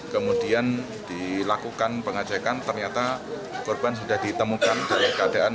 kemudian dilakukan pengajakan ternyata korban sudah ditemukan dalam keadaan menurutnya